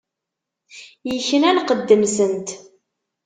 Ikna lqedd-nsent.